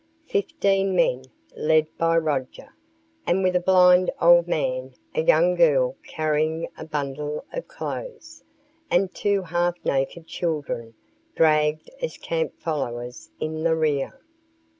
Fifteen men, led by Roger, and with a blind old man, a young girl carrying a bundle of clothes, and two half naked children dragged as camp followers in the rear.